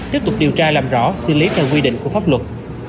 tiếp tục điều tra làm rõ xử lý theo quy định của pháp luật